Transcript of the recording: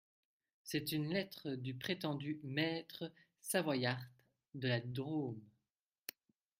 C’est une lettre du prétendu… maître Savoyard de la Drôme.